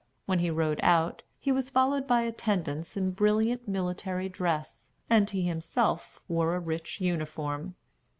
When he rode out, he was followed by attendants in brilliant military dress, and he himself wore a rich uniform.